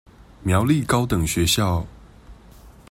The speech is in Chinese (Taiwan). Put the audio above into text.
苗栗高等學校